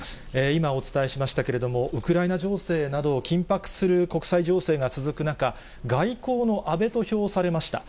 今お伝えしましたけれども、ウクライナ情勢など、緊迫する国際情勢が続く中、外交の安倍と評されました。